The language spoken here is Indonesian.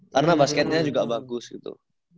karena basketnya juga bagus gitu